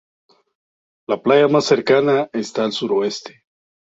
La playa más cercana está al suroeste.